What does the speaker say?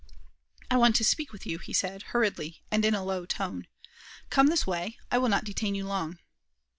"I want to speak with you," he said, hurriedly, and in a low tone. "Come this way. I will not detain you long."